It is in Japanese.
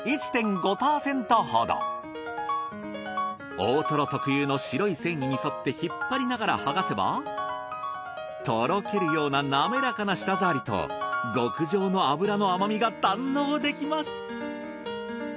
大トロ特有の白い繊維に沿って引っ張りながらはがせばとろけるようななめらかな舌触りと極上の脂の甘みが堪能できます。